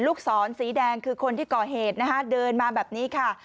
ลูกศรสีแดงคือคนที่ก่อเหตุนะคะเดินมาแบบนี้ค่ะ